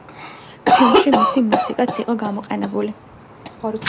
ფილმში მისი მუსიკაც იყო გამოყენებული.